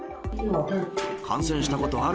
感染したことある？